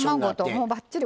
もうばっちり。